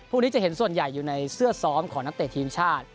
พวกนี้จะเห็นส่วนใหญ่อยู่ในเสื้อซ้อมของนักเตะทีมชาติ